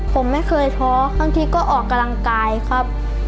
ผมไม่เคยท้อบางทีก็ออกกำลังกายครับ